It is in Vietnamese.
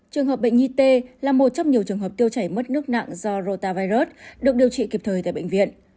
trường hợp bệnh nhi t là một trong nhiều trường hợp tiêu chảy mất nước nặng do rota virut được điều trị kịp thời tại bệnh viện